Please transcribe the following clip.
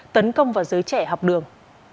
tấn công vào giới trẻ học đường